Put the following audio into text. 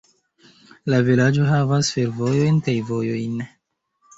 La vilaĝo havas fervojon kaj vojojn.